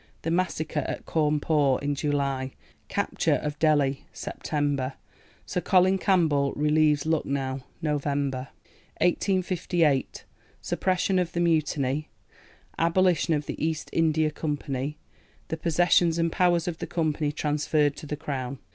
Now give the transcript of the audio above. The massacre at Cawnpore (July). Capture of Delhi (Sept.). Sir Colin Campbell relieves Lucknow (Nov.). 1858. Suppression of the Mutiny. Abolition of the East India Company. The possessions and powers of the Company transferred to the Crown.